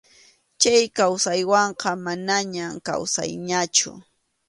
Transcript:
Chay kawsaywanqa manañam kawsayñachu.